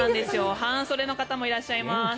半袖の方もいらっしゃいます。